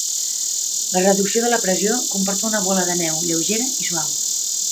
La reducció de la pressió comporta una bola de neu lleugera i suau.